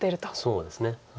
そうですね。